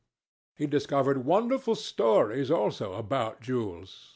He discovered wonderful stories, also, about jewels.